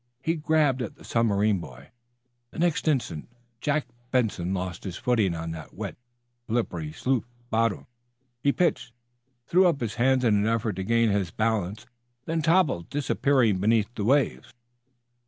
He grabbed at the submarine boy. The next instant Jack Benson lost his footing on that wet, slippery sloop bottom. He pitched, threw up his hands in an effort to regain his balance, then toppled, disappearing beneath the waves.